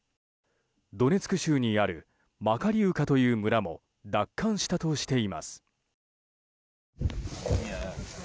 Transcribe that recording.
ドネツク州にあるマカリウカという村も奪還したとしています。